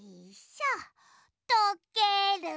とける。